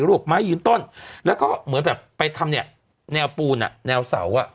วกไม้ยืนต้นแล้วก็เหมือนแบบไปทำเนี่ยแนวปูนอ่ะแนวเสาอ่ะ